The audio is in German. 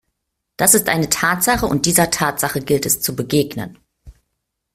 Das ist eine Tatsache, und dieser Tatsache gilt es zu begegnen.